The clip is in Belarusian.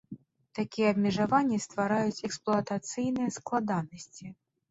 Такія абмежаванні ствараюць эксплуатацыйныя складанасці.